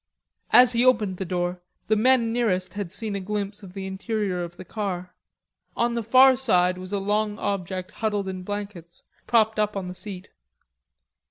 As he opened the door, the men nearest had a glimpse of the interior of the car. On the far side was a long object huddled in blankets, propped up on the seat.